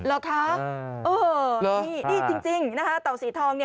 หรอคะเออนี่จริงนะฮะ